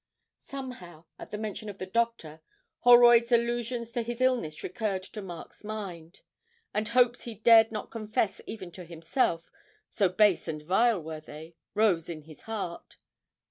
Somehow, at the mention of the doctor, Holroyd's allusions to his illness recurred to Mark's mind, and hopes he dared not confess even to himself, so base and vile were they, rose in his heart.